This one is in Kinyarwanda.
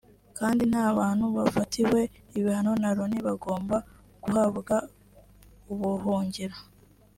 kandi nta bantu bafatiwe ibihano na Loni bagomba guhabwa ubuhungiro